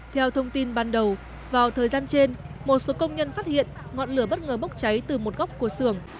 theo thông tin ban đầu vào thời gian trên một số công nhân phát hiện ngọn lửa bất ngờ bốc cháy từ một gốc của sưởng